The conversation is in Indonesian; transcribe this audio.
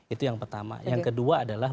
itu yang pertama yang kedua adalah